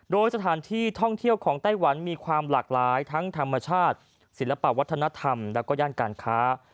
โดยสถานที่ท่องเที่ยวของไต้หวันมีความหลากหลายทั้งธรรมชาติศิลปะวัฒนธรรมและก็ย่านการค้า